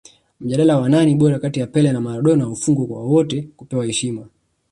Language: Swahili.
mjadala wa nani bora kati ya pele na maradona ufungwe kwa wote kupewa heshima